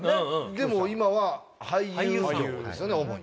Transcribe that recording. でも今は俳優ですよね主に。